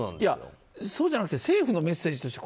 そうじゃなくて政府のメッセージとして。